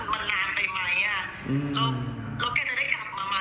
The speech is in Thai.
แล้วเมื่อราวเขาจะได้กลับมาไหม